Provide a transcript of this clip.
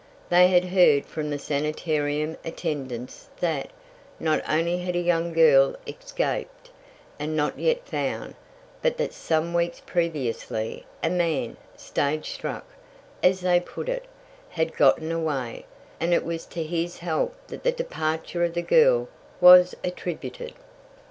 They had heard from the sanitarium attendants that, not only had a young girl escaped, and not yet found, but that some weeks previously, a man, "stage struck," as they put it, had gotten away, and it was to his help that the departure of the girl was attributed.